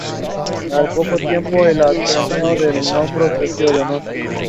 Hymettus and its rocky landscape.